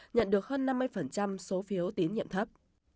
nhận được hơn năm mươi số phiếu tín nhiệm thấp